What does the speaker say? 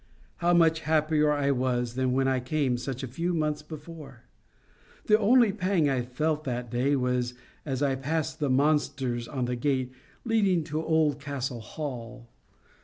How much happier I was than when I came such a few months before! The only pang I felt that day was as I passed the monsters on the gate leading to Oldcastle Hall.